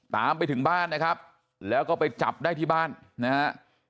ตามไปถึงบ้านนะครับแล้วก็ไปจับได้ที่บ้านนะฮะ